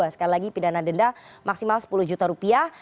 sekali lagi pidana denda maksimal sepuluh juta rupiah